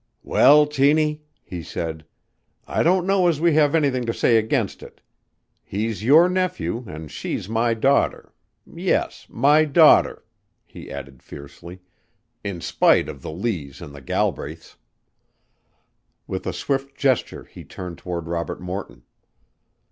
"Well, Tiny," he said, "I don't know as we have anything to say against it. He's your nephew an' she's my daughter yes, my daughter," he added fiercely, "in spite of the Lees and the Galbraiths." With a swift gesture he turned toward Robert Morton.